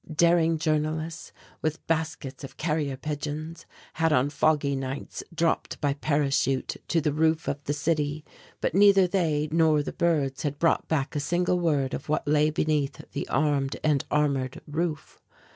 Daring journalists, with baskets of carrier pigeons, had on foggy nights dropped by parachute to the roof of the city; but neither they nor the birds had brought back a single word of what lay beneath the armed and armoured roof.